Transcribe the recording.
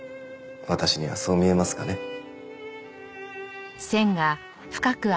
私にはそう見えますがね。